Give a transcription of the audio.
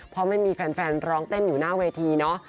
เพราะไม่มีแฟนร้องเต้นอยู่หน้าเวทีเนาะ